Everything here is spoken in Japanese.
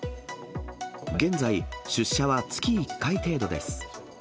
現在、出社は月１回程度です。